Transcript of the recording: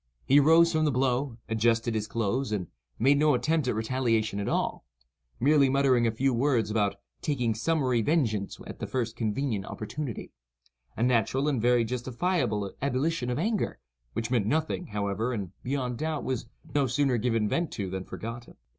He arose from the blow, adjusted his clothes, and made no attempt at retaliation at all—merely muttering a few words about "taking summary vengeance at the first convenient opportunity,"—a natural and very justifiable ebullition of anger, which meant nothing, however, and, beyond doubt, was no sooner given vent to than forgotten.